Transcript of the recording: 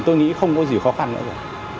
tôi nghĩ không có gì khó khăn nữa